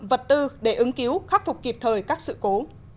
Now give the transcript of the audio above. vật tư để ứng cứu khắc phục kịp thời các sự cố